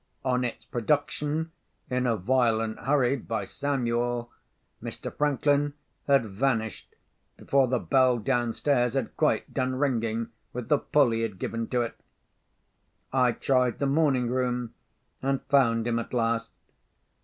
On its production, in a violent hurry, by Samuel, Mr. Franklin had vanished before the bell downstairs had quite done ringing with the pull he had given to it. I tried the morning room, and found him at last.